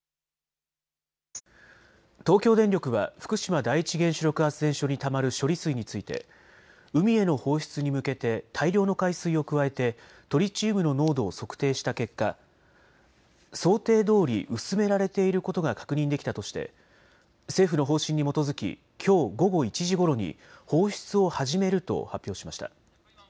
東京電力は福島第一原子力発電所にたまる処理水について海への放出に向けて大量の海水を加えてトリチウムの濃度を測定した結果、想定どおり薄められていることが確認できたとして政府の方針に基づき、きょう午後１時ごろに放出を始めると発表しました。